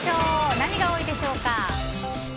何が多いでしょうか。